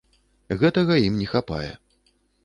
Гэтага ім не хапае.